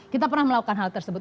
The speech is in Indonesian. kita pernah melakukan hal tersebut